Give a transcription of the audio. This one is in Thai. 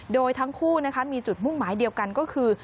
โดยทั้งคู่มีจุดมุ่งหมายเดียวกันก็คือ